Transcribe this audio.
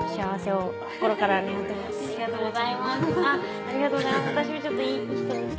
ありがとうございます